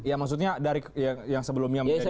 ya maksudnya dari yang sebelumnya menjadi